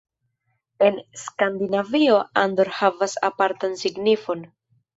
En Skandinavio Andor havas apartan signifon.